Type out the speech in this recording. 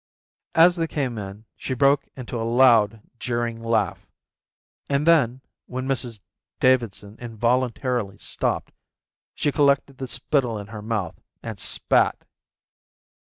As they came in she broke into a loud, jeering laugh; and then, when Mrs Davidson involuntarily stopped, she collected the spittle in her mouth and spat.